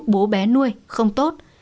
bố bé nuôi không tốt